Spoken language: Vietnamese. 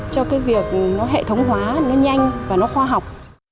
cho cái việc nó hệ thống hóa nó nhanh và nó khoa học